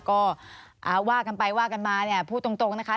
ก็ว่ากันไปว่ากันมาเนี่ยพูดตรงนะคะ